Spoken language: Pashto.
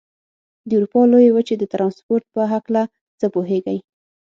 د اروپا لویې وچې د ترانسپورت په هلکه څه پوهېږئ؟